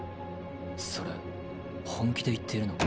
それ本気で言っているのか？